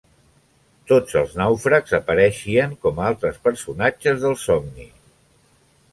Tots els nàufrags apareixien com a altres personatges del somni.